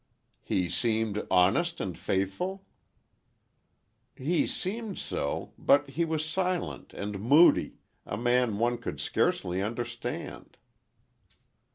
"He seemed honest and faithful?" "He seemed so—but he was silent and moody—a man one could scarcely understand."